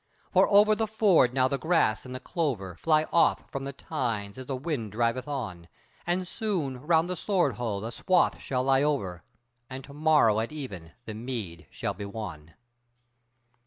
For over the Ford now the grass and the clover Fly off from the tines as the wind driveth on; And soon round the Sword howe the swathe shall lie over, And to morrow at even the mead shall be won.